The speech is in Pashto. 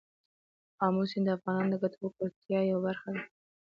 آمو سیند د افغانانو د ګټورتیا یوه برخه ده.